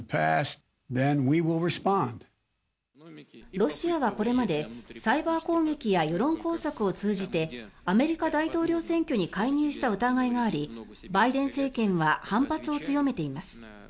ロシアはこれまでサイバー攻撃や世論工作を通じてアメリカ大統領選挙に介入した疑いがありバイデン政権は反発を強めています。